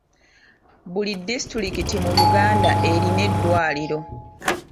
Buli disitulikiti mu Uganda erina eddwaliro.